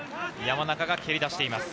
山中が蹴り出しています。